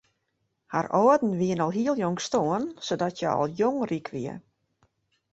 Har âlden wiene al hiel jong stoarn sadat hja al jong ryk wie.